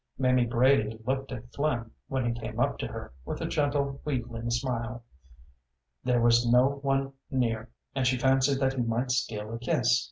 Mamie Brady looked at Flynn, when he came up to her, with a gentle, wheedling smile. There was no one near, and she fancied that he might steal a kiss.